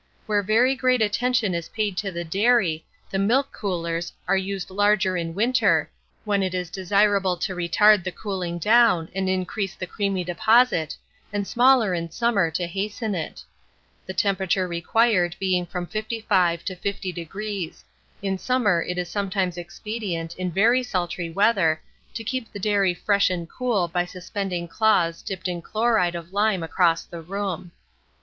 Where very great attention is paid to the dairy, the milk coolers are used larger in winter, when it is desirable to retard the cooling down and increase the creamy deposit, and smaller in summer, to hasten it; the temperature required being from 55° to 50°, In summer it is sometimes expedient, in very sultry weather, to keep the dairy fresh and cool by suspending cloths dipped in chloride of lime across the room.